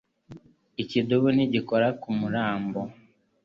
Ikidubu ntigikora ku murambo